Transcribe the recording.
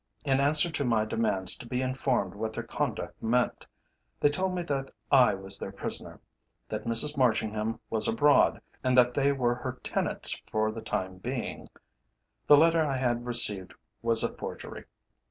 In answer to my demands to be informed what their conduct meant, they told me that I was their prisoner, that Mrs Marchingham was abroad, and that they were her tenants for the time being. The letter I had received was a forgery.